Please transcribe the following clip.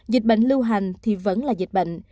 dịch bệnh lưu hành thì vẫn là dịch bệnh